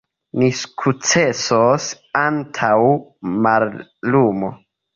Ni sukcesos antaŭ mallumo.